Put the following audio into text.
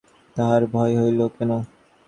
মনোবেদনার অবিশ্রাম পীড়নে তাহার ভয় হইল।